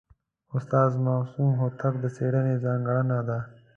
د استاد معصوم هوتک د څېړني ځانګړنه ده.